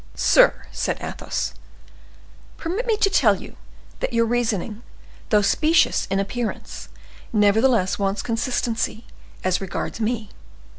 "Sir," said Athos, "permit me to tell you, that your reasoning, though specious in appearance, nevertheless wants consistency, as regards me.